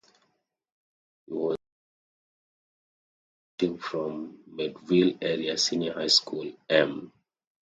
He was an honor student, graduating from Meadville Area Senior High School-M.